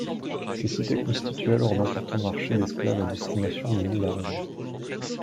Ces cités constituaient alors d'importants marchés d'esclaves à destination du monde arabe.